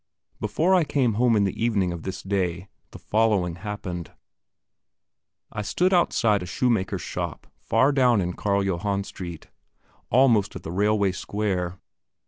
Before I came home in the evening of this day, the following happened: I stood outside a shoemaker's shop far down in Carl Johann Street, almost at the railway square.